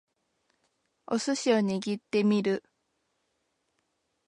お寿司を握ってみる